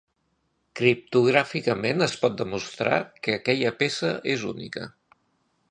Criptogràficament es pot demostrar que aquella peça és única.